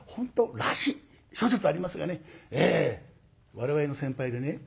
我々の先輩でね